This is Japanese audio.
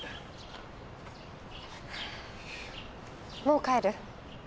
もう帰る？